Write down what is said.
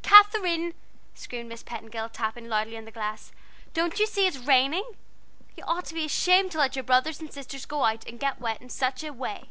Kather ine!" screamed Miss Petingill, tapping loudly on the glass. "Don't you see that it's raining? you ought to be ashamed to let your little brothers and sisters go out and get wet in such a way!"